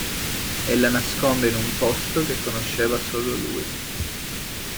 E la nasconde in un posto che conosceva solo lui.